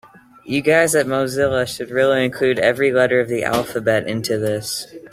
You guys at Mozilla should really include every letter of the alphabet into this.